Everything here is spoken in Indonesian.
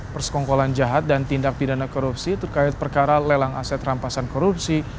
persekongkolan jahat dan tindak pidana korupsi terkait perkara lelang aset rampasan korupsi